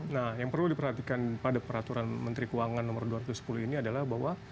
nah yang perlu diperhatikan pada peraturan menteri keuangan nomor dua ratus sepuluh ini adalah bahwa